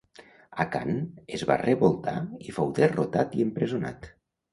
A Khan es va revoltar i fou derrotat i empresonat.